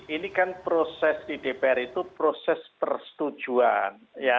ini kan proses di dpr itu proses persetujuan